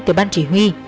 từ ban chỉ huy